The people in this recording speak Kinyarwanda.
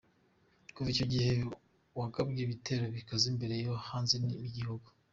Kuva icyo gihe wagabye ibitero bikaze imbere no hanze y'igihugu.